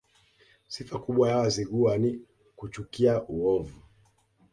Sifa kubwa ya Wazigua ni kuchukia uovu